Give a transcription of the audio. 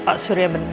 pak suria bener